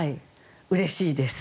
うれしいです。